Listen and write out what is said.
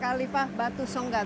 kalifah batu songgan